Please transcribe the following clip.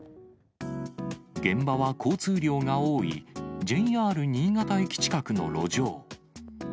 現場は交通量が多いＪＲ新潟駅近くの路上。